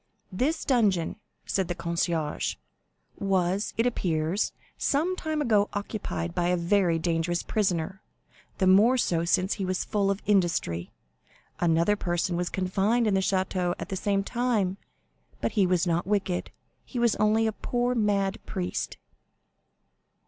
"This dungeon," said the concierge, "was, it appears, some time ago occupied by a very dangerous prisoner, the more so since he was full of industry. Another person was confined in the Château at the same time, but he was not wicked, he was only a poor mad priest."